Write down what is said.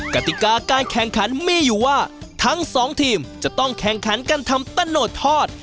กติกาการแข่งขันมีอยู่ว่าทั้งสองทีมจะต้องแข่งขันกันทำตะโนดทอด